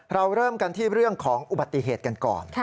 เราเริ่มกันที่เรื่องของอุบัติเหตุกันก่อน